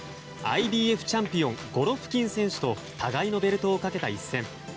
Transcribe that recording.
ＩＢＦチャンピオンゴロフキン選手と互いのベルトをかけた一戦。